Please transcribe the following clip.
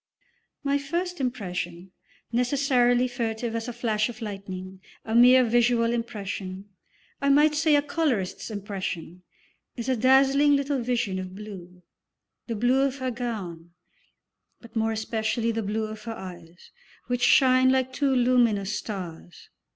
My first impression, necessarily furtive as a flash of lightning, a mere visual impression, I might say a colourist's impression, is a dazzling little vision of blue the blue of her gown, but more especially the blue of her eyes, which shine like two luminous stars.